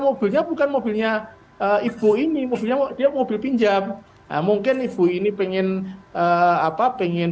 mobilnya bukan mobilnya ibu ini mobilnya dia mobil pinjam mungkin ibu ini pengen apa pengen